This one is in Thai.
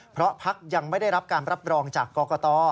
เพราะพักยังไม่ได้รับการรับรองจากกรกต